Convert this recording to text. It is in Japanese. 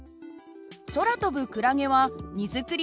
空飛ぶクラゲは荷造り